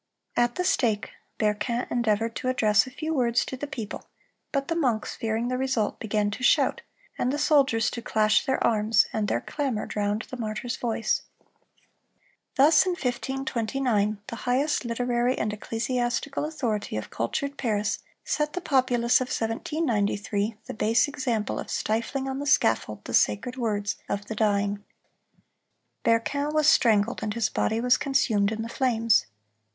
(326) At the stake, Berquin endeavored to address a few words to the people; but the monks, fearing the result, began to shout, and the soldiers to clash their arms, and their clamor drowned the martyr's voice. Thus in 1529, the highest literary and ecclesiastical authority of cultured Paris "set the populace of 1793 the base example of stifling on the scaffold the sacred words of the dying."(327) Berquin was strangled, and his body was consumed in the flames.